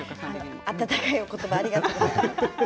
温かいお言葉ありがとうございます。